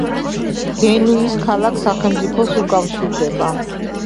გენუის ქალაქ-სახელმწიფოს უკავშირდება.